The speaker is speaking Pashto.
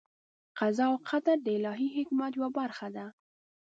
قضا او قدر د الهي حکمت یوه برخه ده.